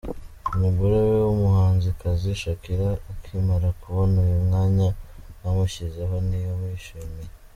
umugore we w’umuhanzikazi Shakira akimara kubona uyu mwanya bamushyizeho ntiyawishimiye.